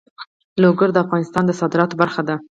لوگر د افغانستان د صادراتو برخه ده.